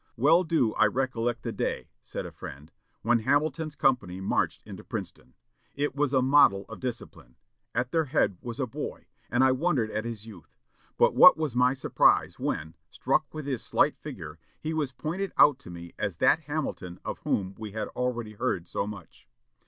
"Well do I recollect the day," said a friend, "when Hamilton's company marched into Princeton. It was a model of discipline; at their head was a boy, and I wondered at his youth; but what was my surprise when, struck with his slight figure, he was pointed out to me as that Hamilton of whom we had already heard so much....